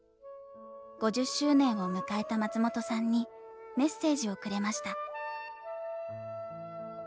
５０周年を迎えた松本さんにメッセージをくれました。